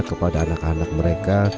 kepada anak anak mereka